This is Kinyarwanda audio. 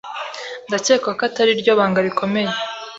Ndakeka ko atariryo banga rikomeye.